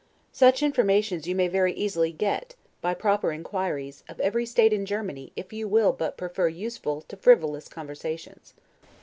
Such informations you may very easily get, by proper inquiries, of every state in Germany if you will but prefer useful to frivolous conversations.